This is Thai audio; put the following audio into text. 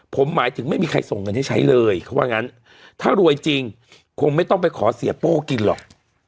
ผมหมายถึงไม่มีใครส่งเงินให้ใช้เลยเขาว่างั้นถ้ารวยจริงคงไม่ต้องไปขอเสียโป้กินหรอก